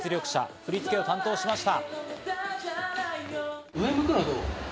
振り付けを担当しました。